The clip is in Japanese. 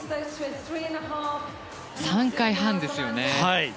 ３回半ですよね。